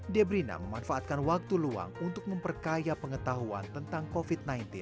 debrina memanfaatkan waktu luang untuk memperkaya pengetahuan tentang covid sembilan belas